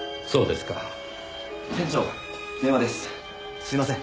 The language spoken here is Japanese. すいません。